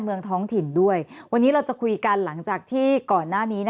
เมืองท้องถิ่นด้วยวันนี้เราจะคุยกันหลังจากที่ก่อนหน้านี้